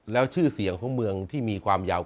แล้วชื่อเสียงของเมืองที่มีความยาว